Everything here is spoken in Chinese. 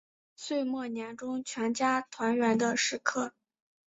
岁末年终全家团圆的时刻